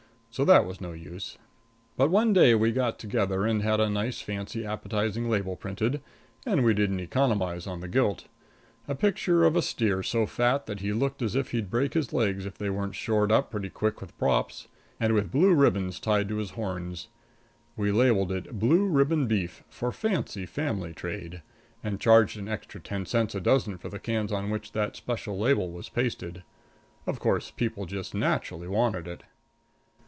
So that was no use. But one day we got together and had a nice, fancy, appetizing label printed, and we didn't economize on the gilt a picture of a steer so fat that he looked as if he'd break his legs if they weren't shored up pretty quick with props, and with blue ribbons tied to his horns. We labeled it "Blue Ribbon Beef For Fancy Family Trade," and charged an extra ten cents a dozen for the cans on which that special label was pasted. Of course, people just naturally wanted it.